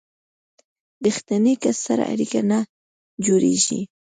ریښتیني کس سره اړیکه نه جوړیږي.